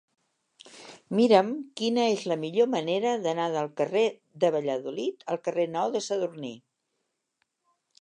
Mira'm quina és la millor manera d'anar del carrer de Valladolid al carrer Nou de Sadurní.